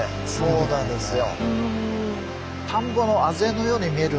そうなんですよ。